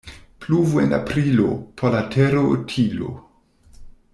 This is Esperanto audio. Pluvo en Aprilo — por la tero utilo.